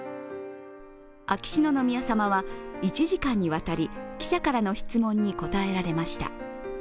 秋篠宮さまは１時間にわたり、記者からの質問に答えられました。